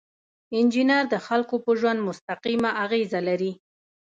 انجینر د خلکو په ژوند مستقیمه اغیزه لري.